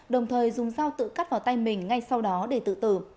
đồng thời dùng dao tự cắt vào tay mình ngay sau đó để tự tử